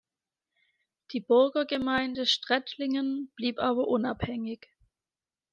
Die Burgergemeinde Strättligen blieb aber unabhängig.